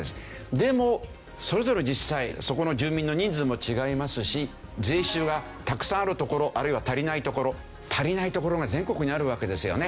でもそれぞれの自治体そこの住民の人数も違いますし税収がたくさんある所あるいは足りない所足りない所が全国にあるわけですよね。